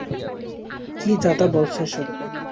কী যা-তা বলছ এসব?